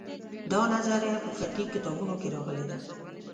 دا نظریه په فقهي کتابونو کې راغلې ده.